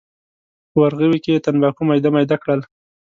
په ورغوي کې یې تنباکو میده میده کړل.